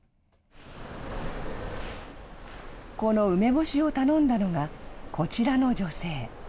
この梅干しを頼んだのが、こちらの女性。